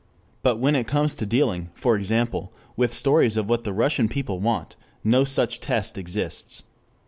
But when it comes to dealing, for example, with stories of what the Russian people want, no such test exists.